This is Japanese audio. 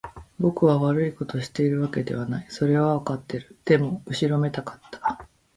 僕は悪いことをしているわけではない。それはわかっている。でも、後ろめたかった。